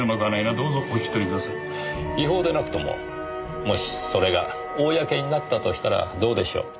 違法でなくとももしそれが公になったとしたらどうでしょう？